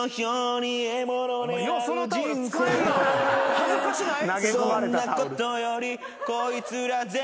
恥ずかしない？